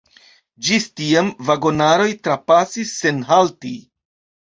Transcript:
Ĝis tiam, vagonaroj trapasis sen halti.